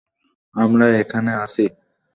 আমরা এখানে আছি!